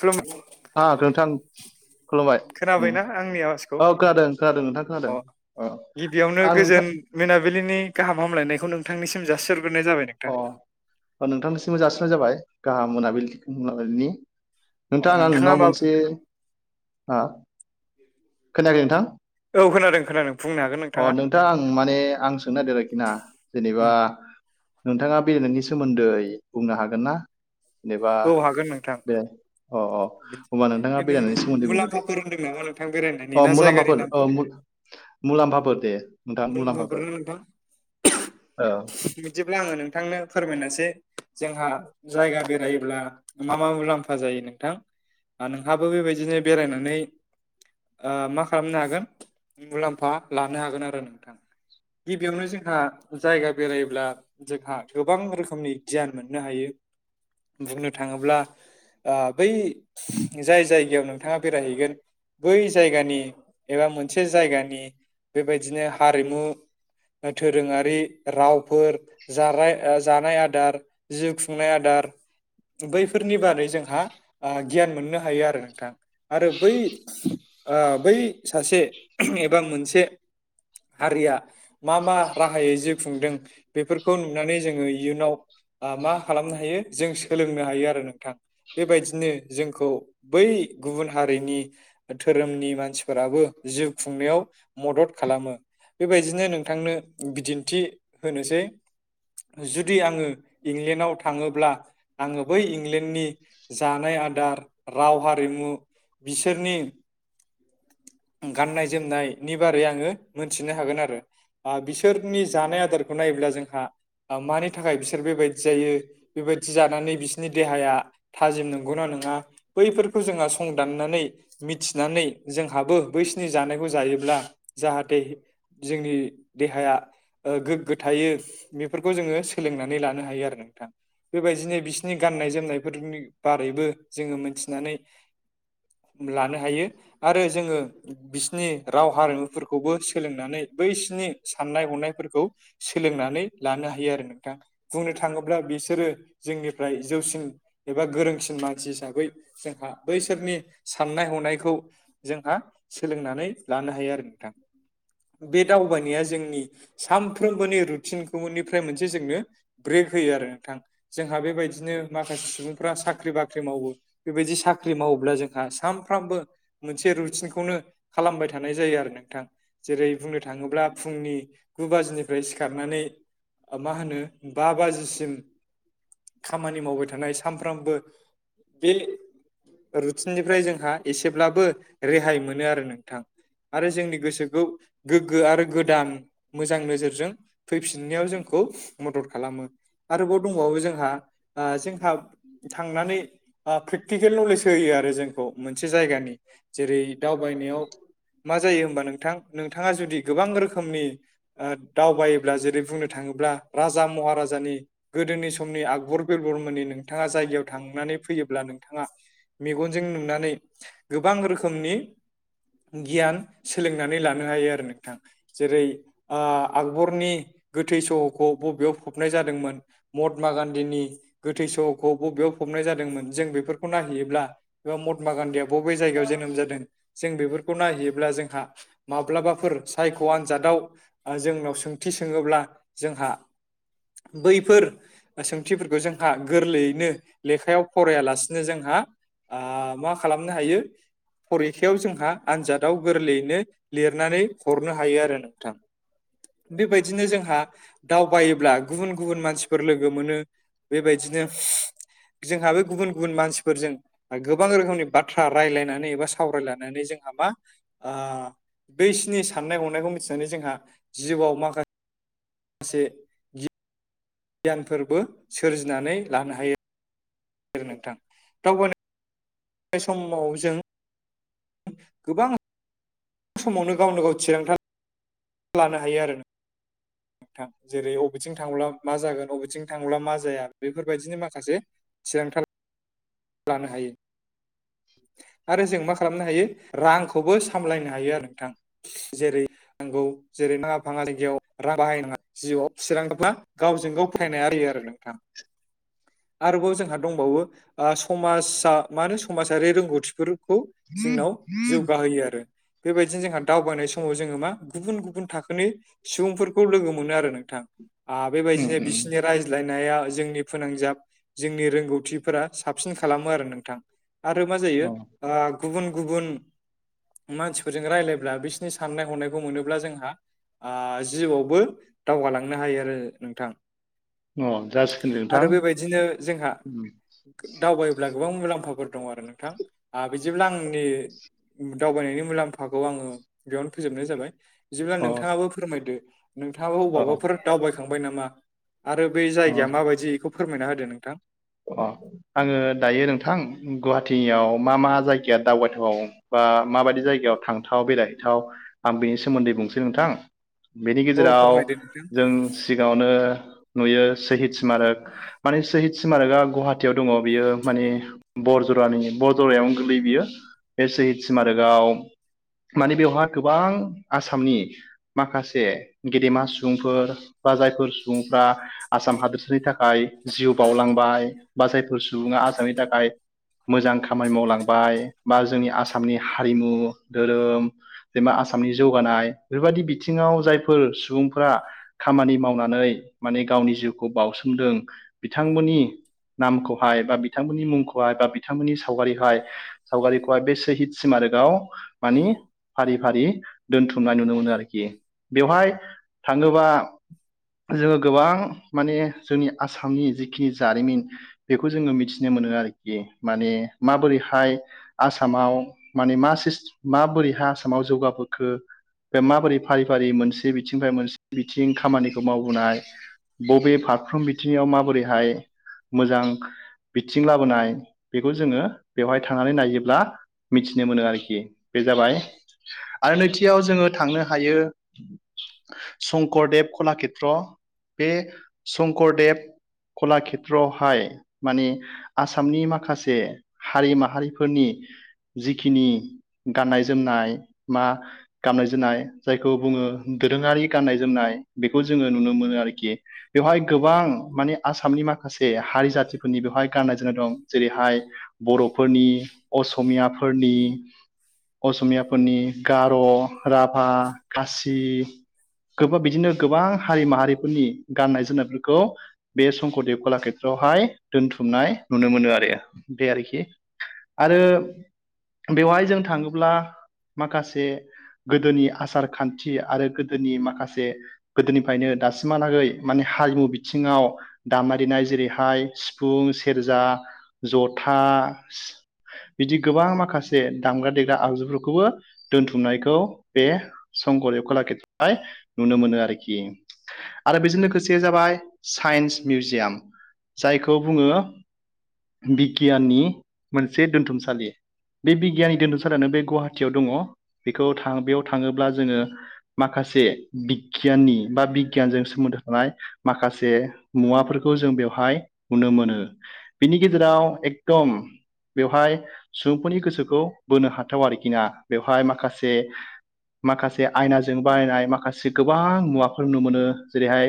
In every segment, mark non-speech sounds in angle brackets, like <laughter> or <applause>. खुलुम ओ नोंथां। खुलुमबाय उम खोनाबायना आंनि आवाजखौ औ खोनादों खोनादों नोंथां अ खोनादों। औ गिबियावनो आं नोंथां गोजोन मोनाबिलिनि गाहाम हामलायनायखौ नोंथांनिसिम जासिहरग्रोनाय जाबाय नोंथां। अ ओ नोंथांनिसिमबो जासिहनाय जाबाय गाहाम मोनाबिलि मोनाबिलिनि नोंथां अ आं नोंथाङा नोंनाव मा मोनसे हा खोनायाखै नोंथां औ खोनादों खोनादों बुंनो हागोन नोंथाङा दां आं माने आं सोंनो नागिरदों आरोखिना जेनेबा उम नोंथाङा बेरायनायनि सोमोन्दै बुंनो हागोन ना जेनेबा औ हागोन नोंथां बे अ अ होनबा नोंथाङा बे नों बेरायनि सोमोन्दै बुंदो दे मुलाम्फाफोर होनदों नामा नोंथां बेरायनायनि औ ना जायगानि मुलाम्फाफोर नामफोर औ मुलाम्फाफोर दे नोंथां मुलाम्फाफोर मुलाम्फाफोरनो नोंथां ओ बिदिब्ला आङो नोंथांनो फोरमायनोसै जोंहा जायगा बेरायो अब्ला मा मा मुलाम्फा जायो नोंथां ओ नोंहाबो बेबायदिनो बेरायनानै ओ मा खालामनो हागोन मुलाम्फा लानो हागोन आरो नोंथां। गिबियावनो जोंहा जायगा बेरायोब्ला जोंहा गोबां रोखोमनि गियान मोननो हायो। बुंनो थाङोब्ला ओ बै जाय जायगायाव नोंथाङा बेरायहैगोन बै जायगानि एबा मोनसे जायगानि बेबायदिनो हारिमु दोरोङारि रावफोर जाराय ओ जानाय आदार जि खुंनाय आदार बैफोरनि बारै जोंहा ओ गियान मोननो हायो आरो नोंथां आरो बै ओ बै सासे ओहोम एबा मोनसे हारिया मा मा राहायै जिउ खुंदों बेफोरखौ नुनानै जोङो इयुनाव ओ मा खालामनो हायो जों सो सोलोंनो हायो आरो नोंथां बेबायदिनो जोंखौ बै गुबुन हारिनि धोरोमनि मानसिफोराबो जिउ खुंनायाव मदद खालामो बेबायदिनो नोंथांनो बिदिन्थि होनोसै जुदि आङो इंलेण्डाव थाङोब्ला आङो बै इंलेण्डनि जानाय आदार राव हारिमु बिसोरनि गाननाय जोमनायनि बारै आङो मोनथिनो हागोन आरो बिसोरनि जानाय आदारखौ नायोब्ला जोंहा मानि थाखाय बिसोर बेबायदि जायो बेबायदि जानानै बिसोरनि देहाया थाजिम नंगौना नङा बैफोरखौ जोंहा संदाननानै मिथिनानै जोंहाबो बैसिनि जानायखौ जायोब्ला जाहाथे जोंनि देहाया गोग्गो थायो बेफोरखौ जोङो सोलोंनानै लानो हायो आरो नोंथां बेबायदिनो बिसोरनि गाननाय जोमनायफोरनि बारैबो जोङो मोनथिनानै लानो हायो आरो जोङो बिसिनि राव हारिमुफोरखौबो सोलोंनानै बैसिनि साननाय हनायफोरखौ सोलोंनानै लानो हायो आरो नोंथां बुंनो थाङोब्ला बिसोरो जोंनिफ्राय जौसिन एबा गोरोंसिन मानसि हिसाबै जोंहा बैसोरनि साननाय हनायखौ जोंहा सोलोंनानै लानो हायो आरो नोंथां बे दावबायनाया जोंनि सानफ्रोमबोनि रुटिनखौनिफ्राय मोनसे जोंनो ब्रेक होयो आरो नोंथां जोंहा बेबायदिनो माखासे सुबुंफ्रा साख्रि बाख्रि मावो बेबायदि साख्रि मावोब्ला जोंहा सानफ्रोमबो मोनसे रुटिनखौनो खालामबाय थानाय जायो आरो नोंथां जेरै बुंनो थाङोब्ला फुंनि गु बाजिनिफ्राय सिखारनानै मा होनो बा बाजिसिम खामानि मावबाय थानाय सानफ्रोमबो बे रुटिननिफ्राय जोंहा एसेब्लाबो रेहाय मोनो आरो नोंथां आरो जोंनि गोसोखौ गोग्गो आरो गोदान मोजां नोजोरजों फैफिननायाव जोंखौ मदद खालामो आरोबाव दंबावो जों जों जोंहा थांनानै प्रेकटिकेल नलेज होयो आरो जोंखौ मोनसे जायगानि जेरै दावबायनायाव मा जायो हनबा नोंथां नोंथाङा जुदि गोबां रोखोमनि ओ दावबायोब्ला जेरै बुंनो थाङोब्ला राजा महाराजानि गोदोनि सम समनि आकबर बेलबरमोननि नोंथाङा जायगायाव थांनानै फैयोब्ला नोंथाङा मेगनजों नुनानै गोबां रोखोमनि गियान सोलोंनानै लानो हायो आरो नोंथां जेरै आकबरनि गोथै सहखौ बबेयाव फबनाय जादोंमोन महात्मा गान्धीनि गोथै सहखौ बबेयाव फबनाय जादोंमोन जों बेफोरखौ नायहैयोब्ला एबा महात्मा गान्धीया बबे जायगायाव जोनोम जादों जों बेफोरखौ नायहैयोब्ला जोंहा माब्लाबाफोर सायख' आनजादाव जोंनाव सोंथि सोङोब्ला जोंहा बैफोर सोंथिफोरखौ जोंहा गोरलैयैनो लेखायाव फरायालासिनो जोंहा मा खालामनो हायो फरिखायाव जोंहा आनजादाव गोरलैयैनो लिरनानै हरनो हायो आरो नोंथां बेबायदिनो जोंहा दावबायोब्ला गुबुन गुबुन मानसिफोर लोगो लोगो मोनो बेबायदिनो जोंहा बे गुबुन गुबुन मानसिफोरजों गोबां रोखोमनि बाथ्रा रायलायनानै एबा सावरायलायनानै जोंहा मा बैसिनि साननाय हनायखौ मिथिनानै जोंहा जिउआव माखासे से गियानफोरबो सोरजिनानै लानो हायो नोंथां दावबाय बे समाव जों गोबां समावनो गावनो गाव थिरांथा लानो हायो आरो नों नोंथां जेरै बबेथिं थांब्ला मा जागोन बबेथिं थांब्ला मा जाया बेफोरबायदिनि माखासे थिरांथा लानो हायो। आरो जों मा खालामनो हायो रांखौबो सामलायनो हायो आरो नोंथां जेरै नांगौ जेरै नाङा फाङा जायगायाव रां बाहायनाङा जिउआव थिरांङोब्ला गावजों गाव फायनाया होयो आरो नोंथां। आरोबाव जोंहा दंबावो ओ समाजा मा होनो समाजारि रोंगौथिफोरखौ जोंनाव जौगाहोयो आरो। बेबायदिनो जोंहा दावबायनाय समाव जोङो मा गुबुन- गुबुन थाखोनि सुबुंफोरखौ लोगो मोनो आरो नोंथां। ओ उम बेबायदिनो बिसोरनि उम रायज्लायनाया जोंनि फोनांजाब जोंनि रोंगौथिफोरा साबसिन खालामो आरो नोंथां आरो मा जायो ओ गुबुन- गुबुन मानसिफोरजों रायलायब्ला बिसोरनि साननाय हनायखौ मोनोब्ला जोंहा ओ जिउआवबो दावगालांनो हायो आरो नोंथां। अ जासिगोन दे आरो नोंथां बेबायदिनो जोंहा उम दावबायोब्ला गोबां मुलाम्फाफोर दं आरो नोंथां ओ बिदिब्ला आंनि दावबायनायनि मुलाम्फाखौ आङो बेयावनो फोजोबनाय जाबाय। बिदिब्ला अ नोंथाङाबो फोरमायदो नोंथाङाबो अ अबावबाफोर दावबायखांबाय नामा आरो बे अ जायगाया माबायदि बेखौ फोरमायना होदो नोंथां। अ आङो दायो नोंथां गुवाहाटियाव मा मा जायगाया दावबायथाव बा माबायदि जायगायाव थांथाव बेरायहैथाव आं बिनि सोमोन्दै बुंनोसै नोंथां बेनि औ गेजेराव फोरमायदो नोंथां जों सिगाङावनो नुयो सोहिद स्मारक माने सोहिद स्मारकआ गुवाहाटियाव दङ बियो माने बरजरानि बरजरायावनो गोलैयो बियो बे सोहिद स्मारकआव माने बेवहाय गोबां आसामनि माखासे गेदेमा सुबुंफोर बा जायफोर सुबुंफ्रा आसाम हादोरसानि थाखाय जिउ बावलांबाय जायफोर सुबुङा आसामनि थाखाय मोजां खामानि मावलांबाय बा जोंनि आसामनि हारिमु धोरोम जेनबा आसामनि जौगानाय बेफोरबायदि बिथिङाव जायफोर सुबुंफोरा खामानि मावनानै माने गावनि जिउखौ बावसोमदों बिथांमोननि नामखौहाय बा बिथांमोननि मुंखौहाय बा बिथांमोननि सावगारिहाय सावगारिखौहाय बे सोहिद सिमारिकाव मानि फारि -फारि दोनथुमनाय नुनो मोनो आरोखि बेवहाय थाङोबा जोङो गोबां माने जोंनि आसामनि जिखिनि जारिमिन बेखौ जोङो मिथिनो मोनो आरोखि माने माबोरैहाय आसामाव माने <unintelligible> मा माबोरैहाय आसामाव जौगाबोखो बे माबोरै फारि -फारि मोनसे बिथिंनिफ्राय मोनसे बिथिं खामानिखौ मावबोनाय बबे फारफ्रोम बिथिंङाव माबोरैहाय मोजां बिथिं लाबोनाय बेखौ जोङो बेवहाय थांनानै नायोब्ला मिथिनो मोनो आरखि बे जाबाय आरो नैथियाव जोङो थांनो हायो शंकरदेब कलाषेत्र बे शंकरदेब कला खेथ्रआवहाय माने आसामनि माखासे हारि माहारिफोरनि जिखिनि गाननाय जोमनाय मा गाननाय जोमनाय जायखौ बुङो दोरोङारि गाननाय जोमनाय बेखौ जोङो नुनो मोनो आरोखि। बेवहाय गोबां माने आसामनि माखासे हारि जाथिफोरनि बेवहाय गाननाय जोमनाय दं जेरैहाय बर'फोरनि असमियाफोरनि असमियाफोरनि गार', राभा, खासि गोबां बिदिनो गोबां हारि माहारिफोरनि गाननाय जोमनायफोरखौ बे संकरदेब कलाकेत्रआवहाय दोनथुमनाय नुनो मोनो आरो बे आरोखि। आरो बेवहाय जों थाङोब्ला माखासे गोदोनि आसार खान्थि आरो गोदोनि माखासे गोदोनिफ्रायनो दासिमहालागै माने हारिमु बिथिङाव दामनाय देनाय जेरैहाय सिफुं, सेरजा, जथा बिदि गोबां माखासे दामग्रा देग्रा आगजुफोरखौबो दोनथुमनायखौ बे संकदेब कलाकेत्रआवहाय नुनो मोनो आरोखि। आरो बेजों लोगोसे जाबाय साइन्स मिउजियाम जायखौ बुङो बिगियाननि मोनसे दोनथुमसालि। बे बिगियाननि दोनथुमसालियानो बे गुवाहाटियाव दङ बेखौ थां बेयाव थाङोब्ला जोङो माखासे बिगियाननि बा बिगियानजों सोमोन्दो थानाय माखासे। मुवाफोरखौ जों बेवहाय नुनो मोनो बिनि गेजेराव एकदम बेवहाय सुबुंफोरनि गोसोखौ बोनो हाथाव आरोखि ना बेवहाय माखासे माखासे आयनाजों बानायनाय माखासे गोबां मुवाफोर नुनो मोनो जेरैहाय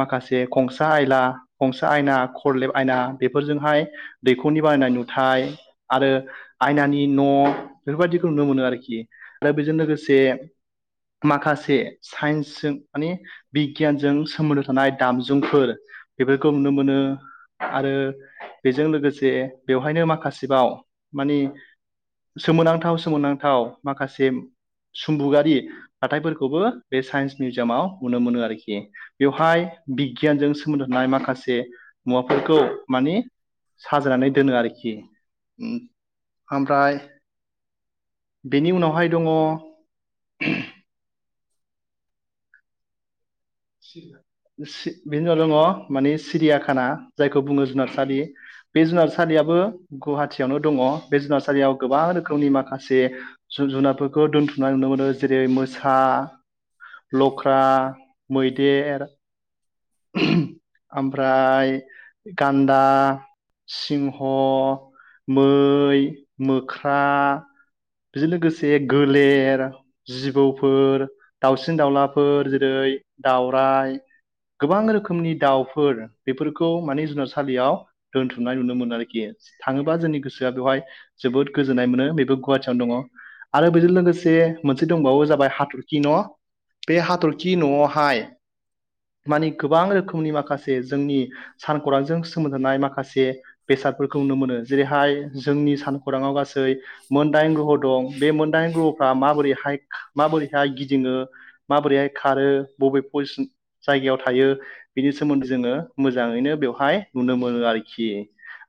माखासे खंसा आयला, खंसा आयना, खरलेब आयना बेफोरजोंहाय दैखरनि बानानाय नुथाय आरो आयनानि न' बेफोरबायदिखौ नुनो मोनो आरोखि आरो बेजों लोगोसे। माखासे साइन्सजों माने बिगियानजों सोमोन्दो थानाय दामजुफोर बेफोरखौ नुनो मोनो आरो बेजों लोगोसे बेवहायनो माखासेबाव मानि सोमोनांथाव सोमोनोनांथाव माखासे सुमबुगयारि दाथायफोरखौबो बे साइन्स मिउजियामाव नुनो मोनो आरोखि बेवहाय बिगियानजों सोमोन्दो थानाय माखासे मुवाफोरखौ मानि साजायनानै दोनो आरोखि। ओमफ्राय बेनि उनावहाय दङ। बिनि उनाव दङ माने सिरिया खाना जायखौ बुङो जुनार सालि। बे जुनार सालियाबो गुवाहाटियावनो दङ बे जुनार सालियाव गोबां रोखोमनि माखासे जुनारफोरखौ दोनथुमनाय नुनो मोनो जेरै मोसा, लख्रा मैदेर ओमफ्राय। गान्दा। सिंह, मै, मोख्रा बेजों लोगोसे गोलेर जिबौफोर दाउसिन दाउलाफोर जेरै दाउराय गोबां रोखोमनि दाउफोर बेफोरखौ माने जुनार सालियाव दोनथुमनाय नुनो मोनो आरोखि थाङोबा जोंनि गोसोआ बेवहाय जोबोद गोजोननाय मोनो बेबो गुवाहाटियावनो दङ। आरो बेजों लोगोसे मोनसे दंबावो जाबाय हाथरखि न' बे हाथरखि न'आव मानि गोबां रोखोमनि माखासे जोंनि सानखौरांजों सोमोन्दो थानाय माखासे बेसादफोरखौ नुनो मोनो जेरैहाय जोंनि सानखौराङाव गासै मोनदाइन ग्रह' दं बे मोनदाइन ग्रह'फ्रा माबोरैहाय माबोरैहाय गिदिङो माबोरैहाय खारो बबे पजिसन जायगायाव थायो बिनि सोमोन्दै जोङो मोजाङैनो बेवहाय नुनो मोनो आरोखि।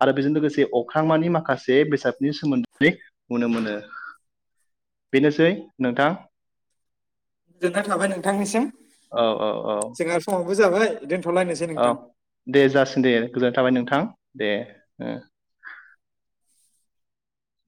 आरो बेजों लोगोसे अख्रांमानि माखासे बेसादनि सोमोन्दै नुनो मोनो। बेनोसै नोंथां गोजोननाय थाबाय नोंथांनिसिम औ औ औ जोंहा समावबो जाबाय दोन्थ'लायनोसै औ नोंथां दे जासिगोन दे गोजोनथाबाय नोंथां दे।